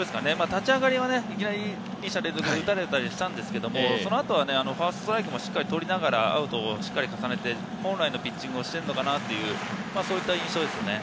立ち上がりは２者連続打たれたりしたんですけれど、その後はファーストストライクを取りながら、しっかりアウトを重ねて、本来のピッチングをしているのかなという印象です。